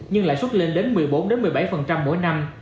nhưng lãi suất lên đến một mươi bốn một mươi bảy mỗi năm